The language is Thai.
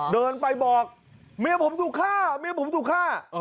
เดินไปบอกเมียผมถูกฆ่าเมียผมถูกฆ่า